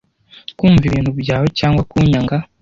kumva ibintu byawe cyangwa kunyanga